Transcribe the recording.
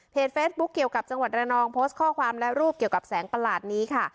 เฟซบุ๊คเกี่ยวกับจังหวัดระนองโพสต์ข้อความและรูปเกี่ยวกับแสงประหลาดนี้ค่ะ